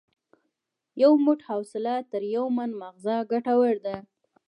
یو موټ حوصله تر یو من مغز ګټوره ده.